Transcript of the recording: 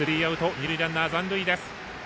二塁ランナー、残塁です。